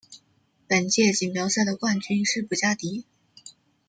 本届锦标赛的冠军是布加迪。